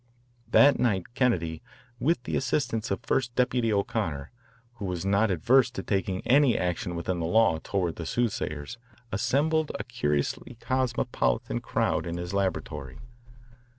That night Kennedy, with the assistance of First Deputy O'Connor, who was not averse to taking any action within the law toward the soothsayers, assembled a curiously cosmopolitan crowd in his laboratory.